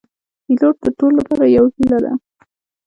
پیلوټ د ټولو لپاره یو هیله ده.